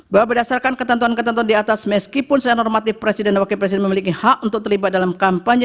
bahwa berdasarkan ketentuan ketentuan di atas meskipun secara normatif presiden dan wakil presiden memiliki hak untuk terlibat dalam kampanye